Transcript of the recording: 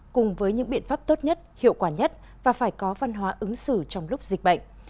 cùng với những biện pháp tốt nhất hiệu quả nhất và phải có văn hóa ứng xử trong lúc dịch bệnh